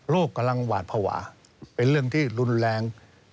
กำลังหวาดภาวะเป็นเรื่องที่รุนแรง